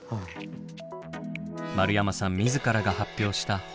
丸山さん自らが発表したホロタイプ。